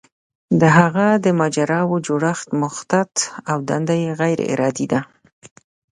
د هغه د مجراوو جوړښت مخطط او دنده یې غیر ارادي ده.